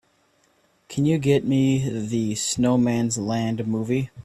Can you get me the Snowman's Land movie?